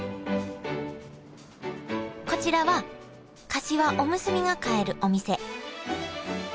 こちらはかしわおむすびが買えるお店。